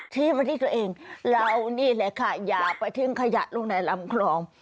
ชี้มาที่ตัวเองเรานี่แหละค่ะอย่าไปทิ้งขยะลงในลำคลอง